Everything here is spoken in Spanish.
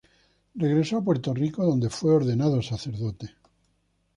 Regresó a Puerto Rico, donde fue ordenado sacerdote.